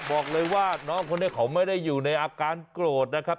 บอกเลยว่าน้องคนนี้เขาไม่ได้อยู่ในอาการโกรธนะครับ